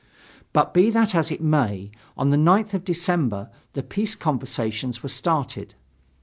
But be that as it may, on the 9th of December the peace conversations were started.